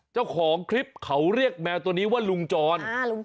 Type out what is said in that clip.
เจ้าของคลิปเขาเรียกแมวตัวนี้ว่าลุงจร